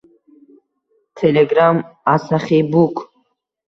Telegram: asaxiybook